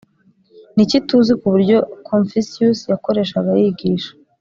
ni iki tuzi ku buryo confucius yakoreshaga yigisha?